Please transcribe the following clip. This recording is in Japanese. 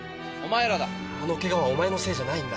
あのケガはお前のせいじゃないんだ。